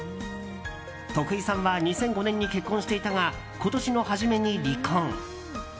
徳井さんは２００５年に結婚していたが今年の初めに離婚。